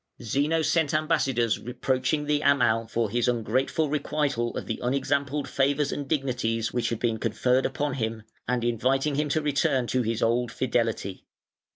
Zeno sent ambassadors reproaching the Amal for his ungrateful requital of the unexampled favours and dignities which had been conferred upon him, and inviting him to return to his old fidelity.